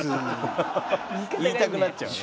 言いたくなっちゃう。